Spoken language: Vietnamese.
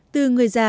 từ người già